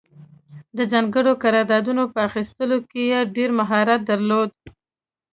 د ځانګړو قراردادونو په اخیستلو کې یې ډېر مهارت درلود.